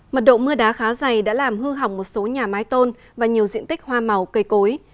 mật độ mưa đá khá dày đã làm hư hỏng một số nhà mái tôn và nhiều diện tích hoa màu cây cối